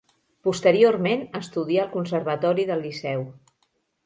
Posteriorment estudià al conservatori del Liceu.